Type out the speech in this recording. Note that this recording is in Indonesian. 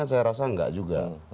saya rasa enggak juga